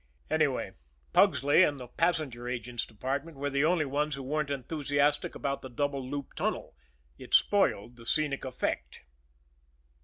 Anyway, Pugsley and the passenger agent's department were the only ones who weren't enthusiastic about the double loop tunnel it spoiled the scenic effect.